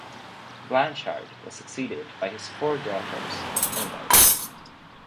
Blanchard was succeeded by his four daughters and wife.